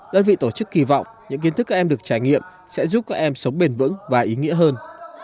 đơn vị tổ chức kỳ vọng những kiến thức các em được trải nghiệm sẽ giúp các em sống bền vững và ý nghĩa hơn